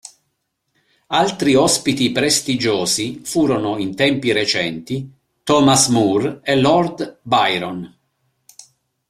Altri ospiti prestigiosi furono in tempi recenti Thomas Moore e Lord Byron.